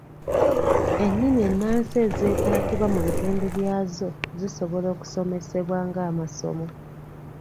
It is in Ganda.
Ennimi ennansi ezeetaagibwa mu bitundu byazo zisobola okusomesebwa ng’amasomo.